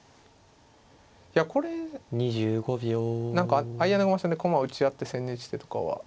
いやこれ何か相穴熊戦で駒を打ち合って千日手とかは。